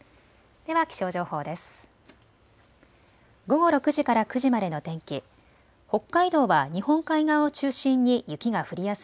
では気象情報です。